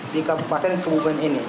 di kabupaten kebumen ini